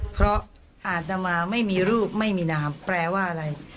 เพราะอาตมาไม่มีรูปไม่มีน้ำแปลว่าอะไร